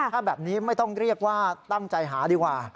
ถ้าแบบนี้ไม่ต้องเรียกว่าตั้งใจหาดีกว่า